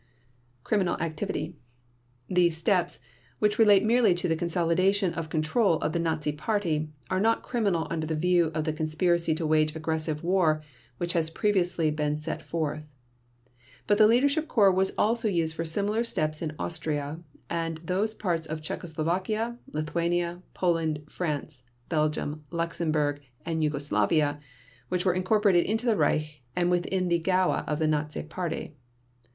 Criminal Activity: These steps, which relate merely to the consolidation of control of the Nazi Party, are not criminal under the view of the conspiracy to wage aggressive war which has previously been set forth. But the Leadership Corps was also used for similar steps in Austria and those parts of Czechoslovakia, Lithuania, Poland, France, Belgium, Luxembourg, and Yugoslavia which were incorporated into the Reich and within the Gaue of the Nazi Party.